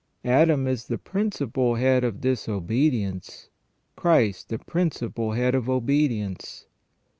Adam is the principal head of dis obedience ; Christ the principal head of obedience.